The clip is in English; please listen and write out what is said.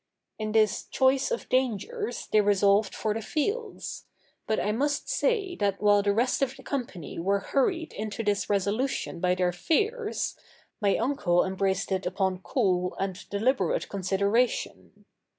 In this choice of dangers they resolved for the fields: but I must say that while the rest of the company were hurried into this resolution by their fears, my uncle embraced it upon cool and deliberate consideration.